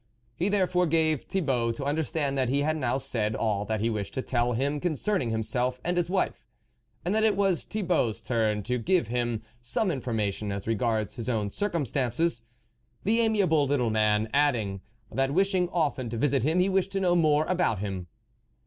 He, there fore, gave Thibault to understand that he had now said all that he wished to tell him concerning himself and his wife, and that it was Thibault's turn to give him some information as regards his own cir cumstances, the amiable little man adding that wishing often to visit him, he wished to know more about him.